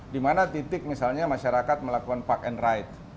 di mana titik misalnya masyarakat melakukan park and ride